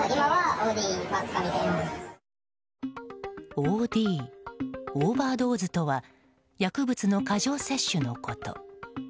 ＯＤ・オーバードーズとは薬物の過剰摂取のこと。